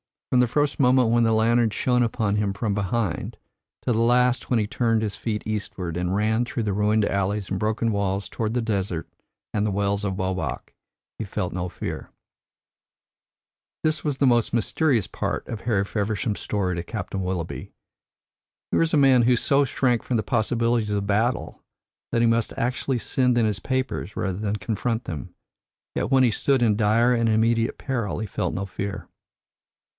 From the first moment when the lantern shone upon him from behind, to the last when he turned his feet eastward, and ran through the ruined alleys and broken walls toward the desert and the Wells of Obak, he felt no fear." This was the most mysterious part of Harry Feversham's story to Captain Willoughby. Here was a man who so shrank from the possibilities of battle, that he must actually send in his papers rather than confront them; yet when he stood in dire and immediate peril he felt no fear.